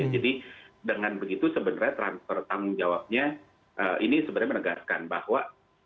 jadi dengan begitu sebenarnya transfer tanggung jawabnya ini sebenarnya menegaskan bahwa